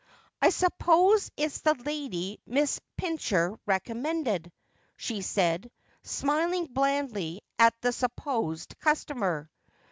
' I suppose it's the lady Miss Pincher recommended,' she said, smilingly blandly at the supposed customer.